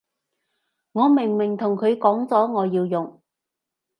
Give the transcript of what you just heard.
我明明同佢講咗我要用